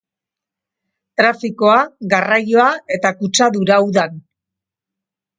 Trafikoa, garraioa eta kutsadura udan.